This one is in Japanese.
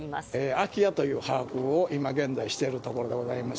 空き家という把握を今現在、しているところでございます。